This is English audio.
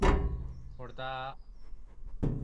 It is in the civil parish of Sunninghill and Ascot.